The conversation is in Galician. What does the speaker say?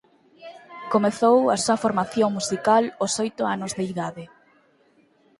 Comezou a súa formación musical ós oito anos de idade.